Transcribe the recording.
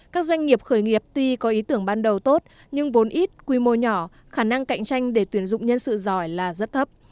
các doanh nghiệp khởi nghiệp tuy có ý tưởng ban đầu tốt nhưng vốn ít quy mô nhỏ khả năng cạnh tranh để tuyển dụng nhân sự giỏi là rất thấp